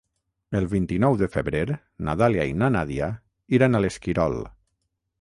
El vint-i-nou de febrer na Dàlia i na Nàdia iran a l'Esquirol.